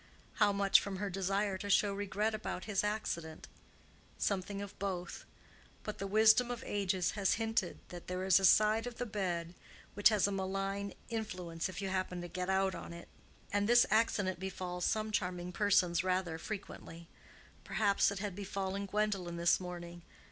How much from her desire to show regret about his accident? Something of both. But the wisdom of ages has hinted that there is a side of the bed which has a malign influence if you happen to get out on it; and this accident befalls some charming persons rather frequently. Perhaps it had befallen Gwendolen this morning.